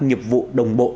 nhiệp vụ đồng bộ